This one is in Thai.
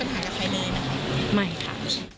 ก็ยังไม่มีปัญหาใครเลยนะ